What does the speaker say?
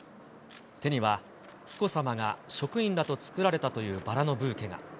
手には紀子さまが職員らと作られたというバラのブーケが。